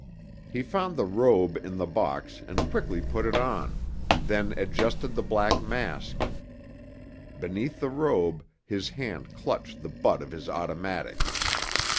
He found the robe in the box and quickly put it on, then adjusted the black mask. Beneath the robe, his hand clutched the butt of his automatic.